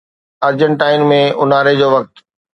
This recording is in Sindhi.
ارجنٽائن ۾ اونهاري جو وقت